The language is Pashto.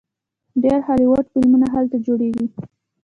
ډیر هالیوډ فلمونه هلته جوړیږي.